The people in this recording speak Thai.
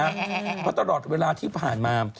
เพราะตลอดเวลาที่ผ่านมา